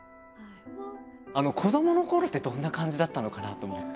子どものころってどんな感じだったのかなと思って。